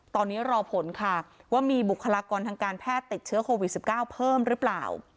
ตอนนี้รอผลค่ะว่ามีบุคลากรทางการแพทย์ติดเชื้อโควิด๑๙เพิ่มหรือเปล่า